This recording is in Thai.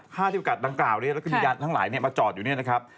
ที่ประกาศดังกล่าวนี้แล้วก็มียานทั้งหลายมาจอดอยู่เนี่ยนะครับ